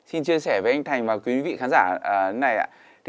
xin chia sẻ với anh thành và quý vị khán giả này ạ